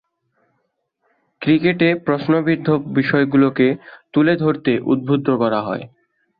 ক্রিকেটে প্রশ্নবিদ্ধ বিষয়গুলোকে তুলে ধরতে উদ্বুদ্ধ করা।